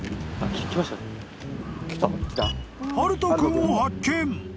［大翔君を発見］